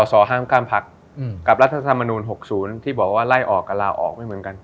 สอห้ามกล้ามพักกับรัฐธรรมนูล๖๐ที่บอกว่าไล่ออกกับลาออกไม่เหมือนกัน